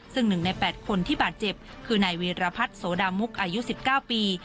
ซึ่ง๑ใน๘คนที่บาดเจ็บคือนายเวรพัฒน์โสดามุกอายุ๑๙ปี